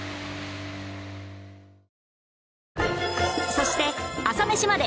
そして『朝メシまで。』